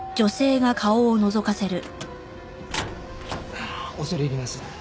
ああ恐れ入ります。